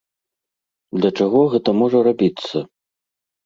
Для чаго гэта можа рабіцца?